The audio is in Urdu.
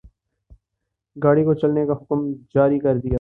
گاڑی کو چلنے کا حکم جاری کر دیا